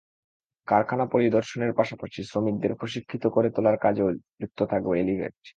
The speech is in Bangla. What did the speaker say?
কারখানা পরিদর্শনের পাশাপাশি শ্রমিকদের প্রশিক্ষিত করে তোলার কাজেও যুক্ত থাকবে এলিভেট।